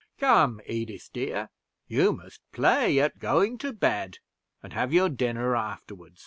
Come, Edith, dear, you must play at going to bed, and have your dinner afterward."